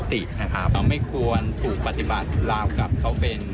แผนสำรองก็คือประกันตัวไปเรื่อย